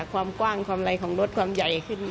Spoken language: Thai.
ความกว้างความไรของรถความใหญ่ขึ้น